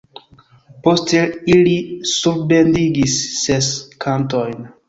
Poste ili surbendigis ses kantojn.